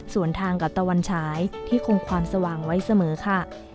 ส่วนทางกับตะวันฉายที่คงความสว่างไว้เสมอค่ะ